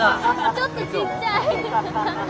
ちょっとちっちゃい！